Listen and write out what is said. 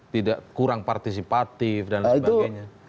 tidak kurang partisipatif dan sebagainya